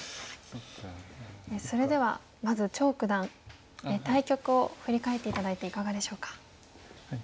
それではまず張九段対局を振り返って頂いていかがでしょうか？